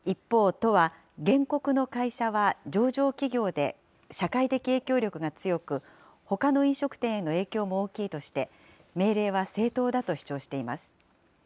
一方、都は、原告の会社は上場企業で社会的影響力が強く、ほかの飲食店への影響も大きいとして、命令は正当だと主張しています。